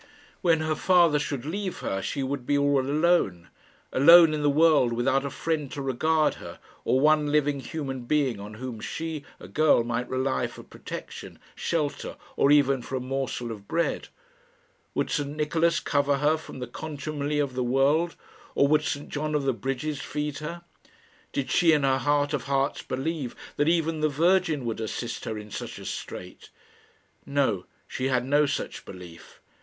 When her father should leave her she would be all alone alone in the world, without a friend to regard her, or one living human being on whom she, a girl, might rely for protection, shelter, or even for a morsel of bread. Would St Nicholas cover her from the contumely of the world, or would St John of the Bridges feed her? Did she in her heart of hearts believe that even the Virgin would assist her in such a strait? No; she had no such belief.